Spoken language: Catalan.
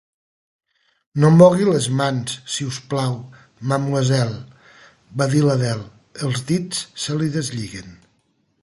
"No mogui les mans, si us plau, mademoiselle", va dir l'Adele; "els dits se li deslliguen".